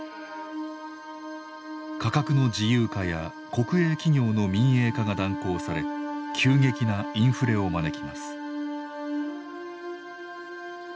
価格の自由化や国営企業の民営化が断行され急激なインフレを招きます。